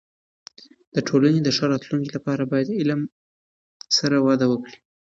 د ټولنې د ښه راتلونکي لپاره باید د علم سره وده وکړو.